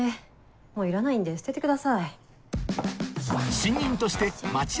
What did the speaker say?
もういらないんで捨ててください。